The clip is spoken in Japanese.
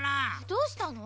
どうしたの？